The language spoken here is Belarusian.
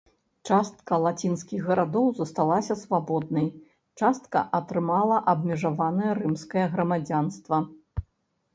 Частка лацінскіх гарадоў засталася свабоднай, частка атрымала абмежаванае рымскае грамадзянства.